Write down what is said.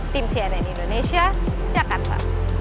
tim cnn indonesia jakarta